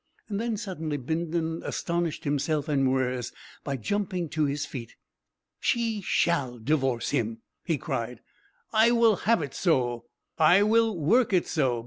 Then suddenly Bindon astonished himself and Mwres by jumping to his feet. "She shall divorce him!" he cried. "I will have it so I will work it so.